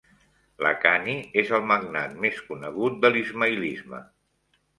Lakhani és el magnat més conegut de l'ismaïlisme.